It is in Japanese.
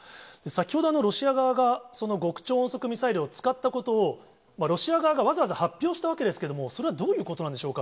先ほど、ロシア側が、極超音速ミサイルを使ったことを、ロシア側がわざわざ発表したわけですけれども、それはどういうこ